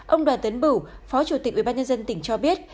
ông đoàn tấn bửu phó chủ tịch ubnd tỉnh cho biết